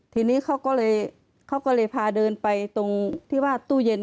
ทีนี้เขาก็เลยเขาก็เลยพาเดินไปตรงที่ว่าตู้เย็น